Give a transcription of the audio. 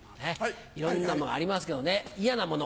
いろんなのありますけどね嫌なもの。